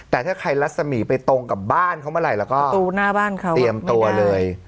แต่ถ้าใครลักษมีณไปตรงกับบ้านเขาเมื่อไหร่แล้วก็เป็นตัวเลย